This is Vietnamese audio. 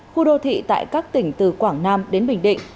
khu đô thị tại các tỉnh từ quảng nam đến bình định